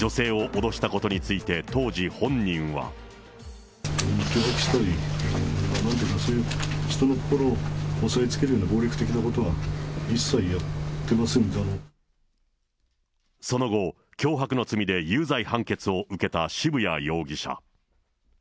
脅かしたり、なんていうか、そういう人の心を押さえつけるような暴力的なことは、一切やってその後、脅迫の罪で有罪判決を受けた渋谷容疑者。